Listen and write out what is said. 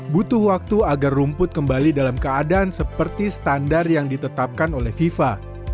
butuh waktu agar rumput kembali dalam keadaan seperti standar yang ditetapkan oleh fifa